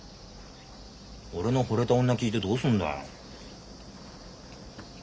俺のほれた女聞いてどうすんだよ。